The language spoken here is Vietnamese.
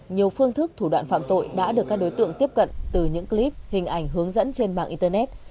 nhiều phương thức thủ đoạn phạm tội đã được các đối tượng tiếp cận từ những clip hình ảnh hướng dẫn trên mạng internet